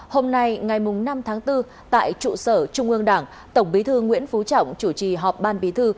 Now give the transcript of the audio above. hôm nay ngày năm tháng bốn tại trụ sở trung ương đảng tổng bí thư nguyễn phú trọng chủ trì họp ban bí thư